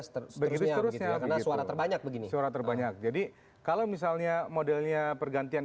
seterusnya karena suara terbanyak begini suara terbanyak jadi kalau misalnya modelnya pergantian